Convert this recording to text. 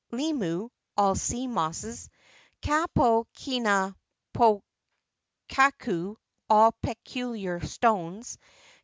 limu (all sea mosses). """ pokaku (all peculiar stones).